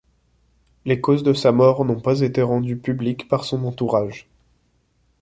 Les causes de sa mort n'ont pas été rendues publiques par son entourage.